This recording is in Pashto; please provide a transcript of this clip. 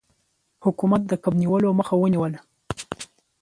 حکومت د کب نیولو مخه ونیوله.